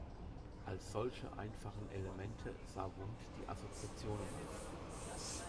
Als solche einfachen Elemente sah Wundt die Assoziationen an.